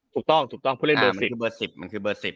ถูกต้องถูกต้องผู้เล่นเบอร์๑๐